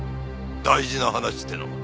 大事な話っていうのは。